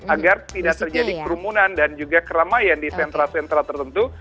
agar tidak terjadi kerumunan dan juga keramaian di sentra sentra tertentu